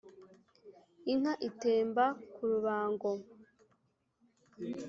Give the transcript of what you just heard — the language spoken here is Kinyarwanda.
inka itemba ku rubango